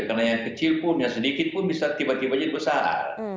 karena yang kecil pun yang sedikit pun bisa tiba tiba jadi besar